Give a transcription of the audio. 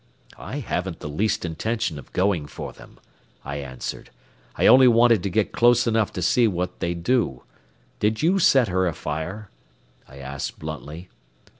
"I haven't the least intention of going for them," I answered; "I only wanted to get close enough to see what they'd do. Did you set her afire?" I asked bluntly.